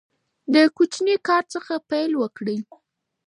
د کوچني کار څخه پیل وکړئ.